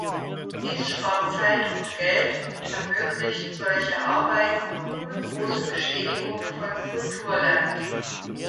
Dies spart Zeit und Geld und ermöglicht solche Arbeiten ohne große Beschädigung von Kulturland.